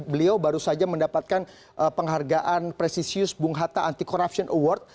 beliau baru saja mendapatkan penghargaan presisius bung hatta anti corruption award